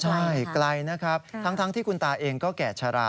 ใช่ไกลนะครับทั้งที่คุณตาเองก็แก่ชะลา